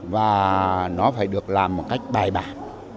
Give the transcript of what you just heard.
và nó phải được làm bằng cách bài bản